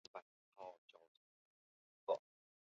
大帽山耳草为茜草科耳草属下的一个种。